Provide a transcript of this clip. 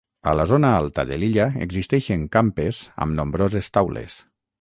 A la zona alta de l'illa existeixen campes amb nombroses taules.